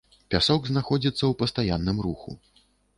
Пясок знаходзіцца ў пастаянным руху.